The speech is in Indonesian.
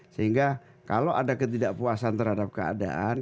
sehingga kalau ada ketidakpuasan terhadap keadaan